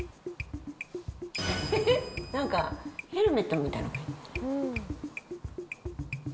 なんかヘルメットみたい。